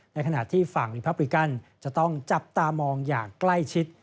ในขณะที่ฝั่งลิพาปริกันจะต้องจับตามองอย่างใกล้ชิด